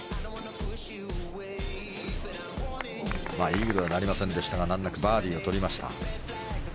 イーグルはなりませんでしたが難なくバーディーをとりました。